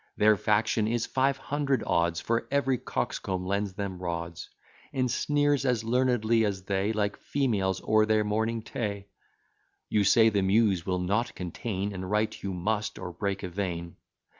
Their faction is five hundred odds, For every coxcomb lends them rods, And sneers as learnedly as they, Like females o'er their morning tea. You say the Muse will not contain And write you must, or break a vein.